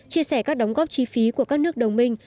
chia sẻ các đóng góp chi phí của các nước đồng minh